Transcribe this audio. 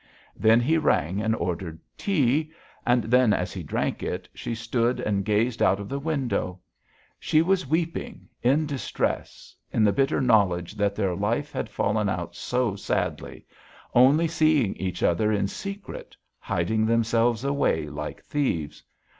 Then he rang and ordered tea, and then, as he drank it, she stood and gazed out of the window.... She was weeping in distress, in the bitter knowledge that their life had fallen out so sadly; only seeing each other in secret, hiding themselves away like thieves!